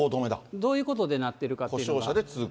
どういうことでなってるかというと。